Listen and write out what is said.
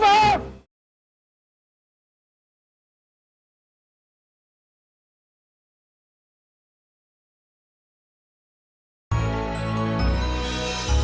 kita berangkat sekarang ya